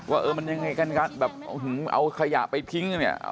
ว่าเออมันยังไงกันแบบเอาขยะไปทิ้งเนี่ย